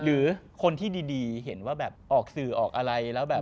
หรือคนที่ดีเห็นว่าแบบออกสื่อออกอะไรแล้วแบบ